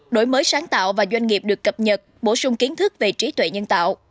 đổi mới sáng tạo và doanh nghiệp được cập nhật bổ sung kiến thức về trí tuệ nhân tạo